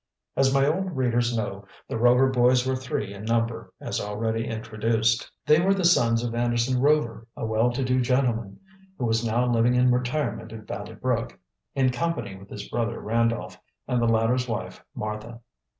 As my old readers know, the Rover boys were three in number, as already introduced. They were the sons of Anderson Rover, a well to do gentleman, who was now living in retirement at Valley Brook, in company with his brother Randolph, and the latter's wife, Martha.